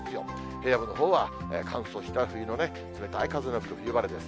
平野部のほうは、乾燥した冬の冷たい風が吹く冬晴れです。